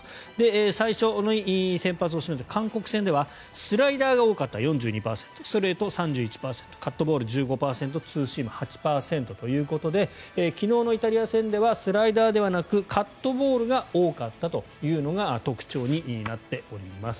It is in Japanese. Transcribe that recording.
最初に先発をしました韓国戦ではスライダーが多かった、４２％ストレート３１％カットボール１５％ツーシーム８％ということで昨日のイタリア戦ではスライダーではなくカットボールが多かったというのが特徴になっております。